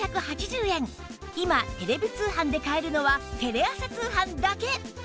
今テレビ通販で買えるのはテレ朝通販だけ！